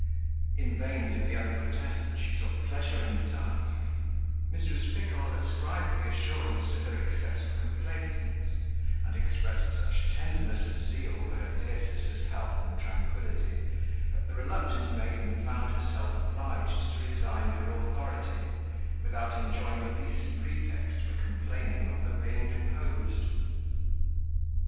In vain did the other protest that she took pleasure in the task: Mrs. Pickle ascribed the assurance to her excess of complaisance; and expressed such tenderness of zeal for her dear sister's health and tranquility, that the reluctant maiden found herself obliged to resign her authority, without enjoying the least pretext for complaining of her being deposed.